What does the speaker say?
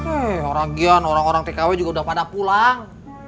eh ragian orang orang tkw juga udah pada pulang